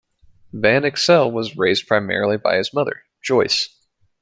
Van Exel was raised primarily by his mother, Joyce.